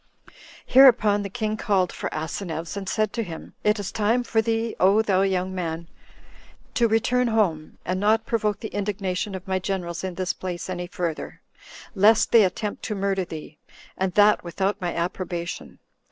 Hereupon the king called for Asineus, and said to him, "It is time for thee, O thou young man! to return home, and not provoke the indignation of my generals in this place any further, lest they attempt to murder thee, and that without my approbation.